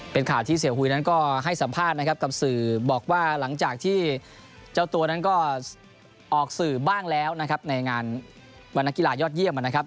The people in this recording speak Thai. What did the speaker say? เป็นข่าวที่เสียหุยนั้นก็ให้สัมภาษณ์นะครับกับสื่อบอกว่าหลังจากที่เจ้าตัวนั้นก็ออกสื่อบ้างแล้วนะครับในงานวันนักกีฬายอดเยี่ยมนะครับ